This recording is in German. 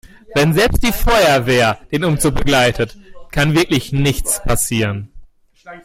Wenn selbst die Feuerwehr den Umzug begleitet, kann wirklich nichts passieren.